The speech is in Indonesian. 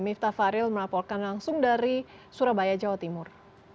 miftah faril melaporkan langsung dari surabaya jawa timur